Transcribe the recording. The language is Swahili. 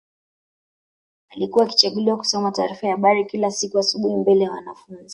Alikuwa akichaguliwa kusoma taarifa ya habari kila siku asubuhi mbele ya wanafunzi